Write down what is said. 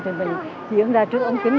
thì mình diễn ra trước ống kính